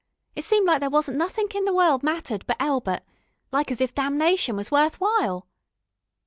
It seemed like there wasn't nothink in the world mattered but Elbert, like as if damnation was worth while.